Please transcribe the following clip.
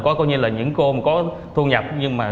có những cô mà có thu nhập